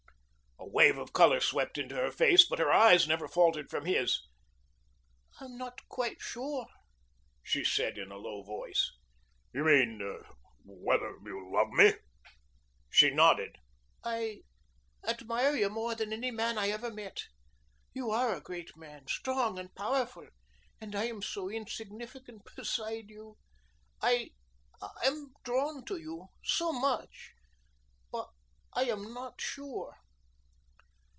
A wave of color swept into her face, but her eyes never faltered from his. "I'm not quite sure," she said in a low voice. "You mean whether you love me?" She nodded. "I admire you more than any man I ever met. You are a great man, strong and powerful, and I am so insignificant beside you. I am drawn to you so much. But I am not sure."